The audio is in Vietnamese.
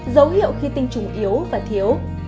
dấu hiệu khi tinh trùng yếu và thiếu